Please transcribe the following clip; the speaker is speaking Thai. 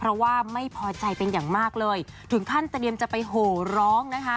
ตัวใจเป็นอย่างมากเลยถึงท่านเตรียมจะไปโหร้องนะคะ